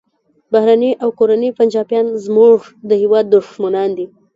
بهرني او کورني پنجابیان زموږ د هیواد دښمنان دي